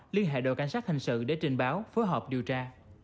liên hệ đội cảnh sát hình sự để trình báo phối hợp điều tra